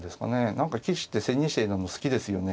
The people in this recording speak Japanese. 何か棋士って千日手になるの好きですよね。